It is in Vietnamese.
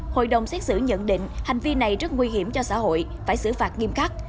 hội đồng xét xử nhận định hành vi này rất nguy hiểm cho xã hội phải xử phạt nghiêm khắc